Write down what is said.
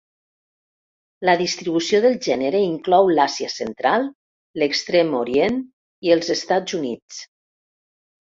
La distribució del gènere inclou l'Àsia Central, l'Extrem Orient i els Estats Units.